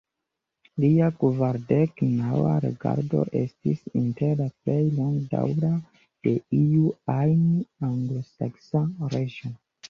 Lia kvardek-naŭa regado estis inter la plej longdaŭra de iu ajn anglosaksa reĝo.